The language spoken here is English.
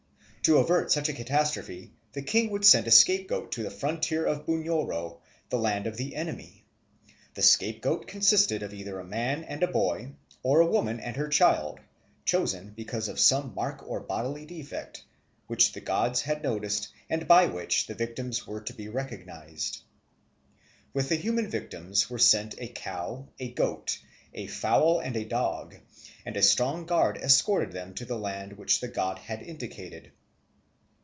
To avert such a catastrophe the king would send a scapegoat to the frontier of Bunyoro, the land of the enemy. The scapegoat consisted of either a man and a boy or a woman and her child, chosen because of some mark or bodily defect, which the gods had noted and by which the victims were to be recognised. With the human victims were sent a cow, a goat, a fowl, and a dog; and a strong guard escorted them to the land which the god had indicated.